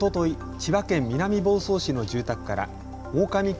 千葉県南房総市の住宅からオオカミ犬